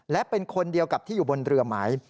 และเป็นคนเดียวกับที่อยู่บนเรือไหม